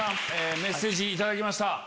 メッセージ頂きました。